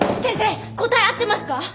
先生答え合ってますか？